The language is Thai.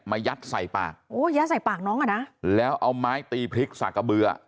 ยัดใส่ปากโอ้ยัดใส่ปากน้องอ่ะนะแล้วเอาไม้ตีพริกสากะเบือ